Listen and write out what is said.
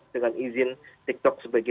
dengan izin tiktok sebagai